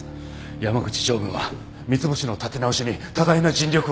山口常務は三ツ星の立て直しに多大な尽力を。